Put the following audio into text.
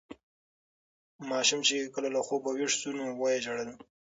ماشوم چې کله له خوبه ویښ شو نو ویې ژړل.